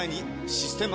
「システマ」